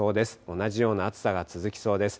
同じような暑さが続きそうです。